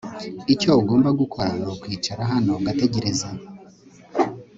Icyo ugomba gukora nukwicara hano ugategereza